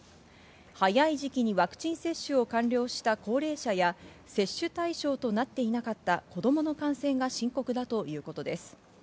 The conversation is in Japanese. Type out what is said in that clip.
早い時期にワクチン接種を完了した高齢者や接種対象となっていなかった子供の感染が深刻だということです。